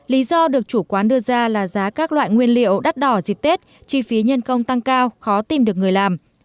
lý do được chủ quán đưa ra là giá các loại nguyên liệu đắt đỏ dịp tết chi phí nhân công tăng cao khó tìm được người làm